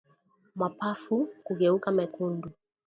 Mapafu kugeuka mekundu